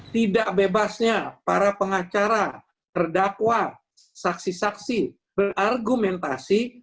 tidak bebasnya para pengacara terdakwa saksi saksi berargumentasi